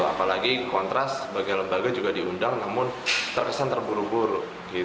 apalagi kontras sebagai lembaga juga diundang namun terkesan terburu buru